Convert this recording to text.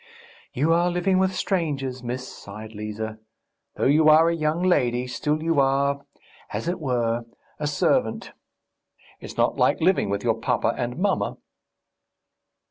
"You are living with strangers, miss," sighed Liza. "Though you are a young lady, still you are ... as it were ... a servant.... It's not like living with your papa and mamma."